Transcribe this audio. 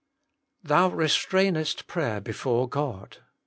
"Thou restrainest prayer before God."